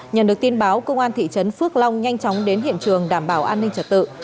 nhận được tin báo công an thị trấn phước long nhanh chóng đến hiện trường đảm bảo an ninh trật tự